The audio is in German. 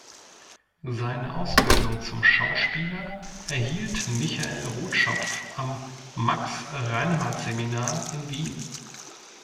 Seine Ausbildung zum Schauspieler erhielt Michael Rotschopf am Max-Reinhardt-Seminar in Wien.